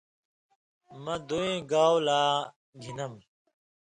مہ دَوئے گَولاں گِھنم؟